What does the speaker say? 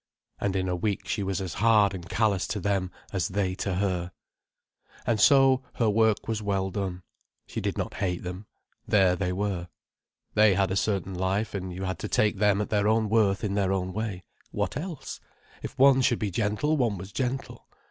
And in a week she was as hard and callous to them as they to her. And so her work was well done. She did not hate them. There they were. They had a certain life, and you had to take them at their own worth in their own way. What else! If one should be gentle, one was gentle.